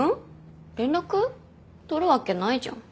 取るわけないじゃん。